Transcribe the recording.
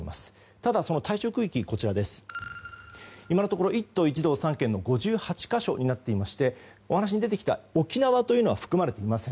ただ、その対象区域は今のところ１都１道３県の５８か所になっていましてお話に出てきた沖縄というのは含まれていません。